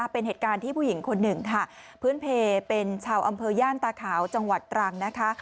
เป็นเหตุการณ์ที่ผู้หญิงคนหนึ่งค่ะพื้นเพลเป็นชาวอำเภอย่านตาขาวจังหวัดตรังนะคะ